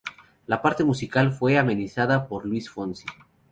La parte musical fue amenizada por Luis Fonsi.